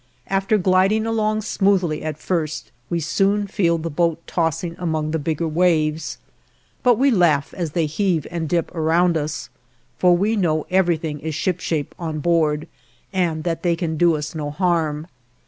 After gliding along smoothly at first, we soon feel the boat tossing among the bigger waves; but we laugh, as they heave and dip around us, for we know everything is shipshape on board, and that they can do us no harm.